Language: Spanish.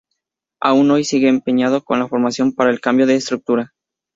Aún hoy sigue empeñado en la formación para el cambio de estructura.